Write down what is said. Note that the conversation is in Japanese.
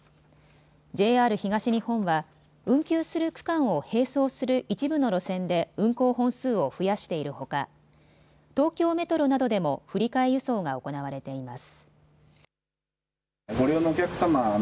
ＪＲ東日本は運休する区間を並走する一部の路線で運行本数を増やしているほか東京メトロなどでも振り替え輸送が行われています。